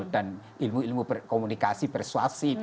dan ilmu ilmu komunikasi persuasi